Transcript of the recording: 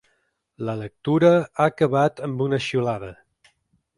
La lectura ha acabat amb una xiulada.